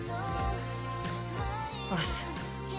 押忍。